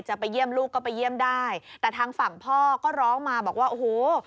จะไปเยี่ยมลูกก็ไปเยี่ยมได้แต่ทางฝั่งพ่อก็ร้องมาบอกว่าโอ้โห